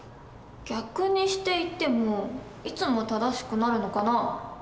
逆にして言ってもいつも正しくなるのかな？